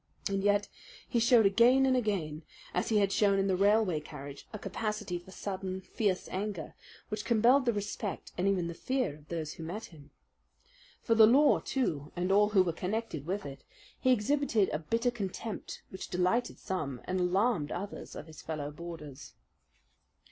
And yet he showed again and again, as he had shown in the railway carriage, a capacity for sudden, fierce anger, which compelled the respect and even the fear of those who met him. For the law, too, and all who were connected with it, he exhibited a bitter contempt which delighted some and alarmed others of his fellow boarders.